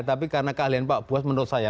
tapi karena keahlian pak buas menurut saya